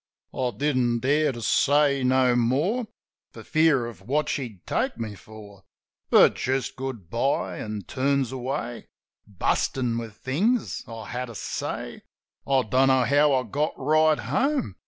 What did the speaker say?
I didn't dare to say no more, For fear of what she'd take me for — But just Good bye, an' turns away, Bustin' with things I had to say. I don't know how I got right home.